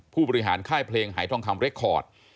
ผู้บริหารค่ายเพลงหายทองคำเรคคอร์ด